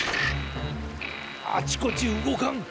あちこちうごかん！